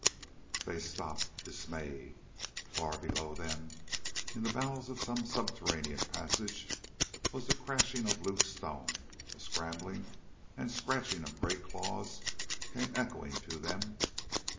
They stopped, dismayed. Far below them in the bowels of some subterranean passage was the crashing of loose stone; a scrambling and scratching of great claws came echoing to them.